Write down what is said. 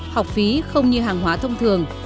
học phí không như hàng hóa thông thường